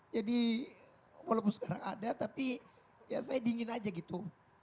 jadi walaupun sekarang ada tapi ya saya dingin aja gitu